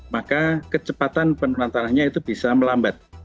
maka kecepatan penurunan tanahnya itu bisa melambat